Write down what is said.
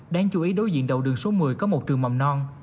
đáng chú ý đối diện đầu đường số một mươi có một trường mầm non